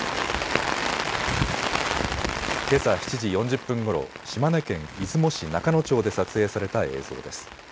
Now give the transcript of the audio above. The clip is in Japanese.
けさ７時４０分ごろ島根県出雲市中野町で撮影された映像です。